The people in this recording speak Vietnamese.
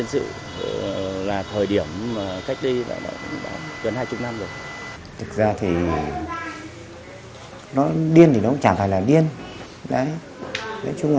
nó điên thì nó chẳng phải là điên